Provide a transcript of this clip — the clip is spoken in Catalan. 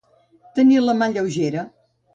Tenir la mà lleugera.